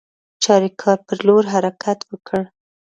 چاریکار پر لور حرکت وکړ.